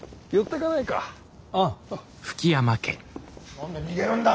何で逃げるんだ。